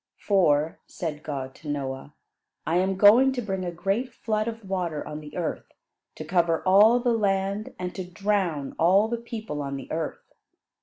"For," said God to Noah, "I am going to bring a great flood of water on the earth to cover all the land and to drown all the people on the earth.